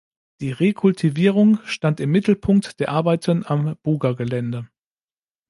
Die Rekultivierung stand im Mittelpunkt der Arbeiten am Buga-Gelände.